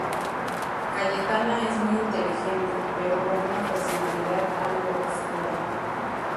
Cayetana es muy inteligente, pero con una personalidad algo oscura.